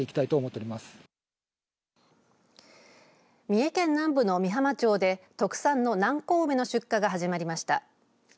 三重県南部の御浜町で特産の南高梅の出荷が始まりました。